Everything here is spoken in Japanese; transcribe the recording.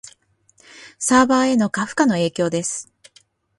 サーバへの過負荷の影響です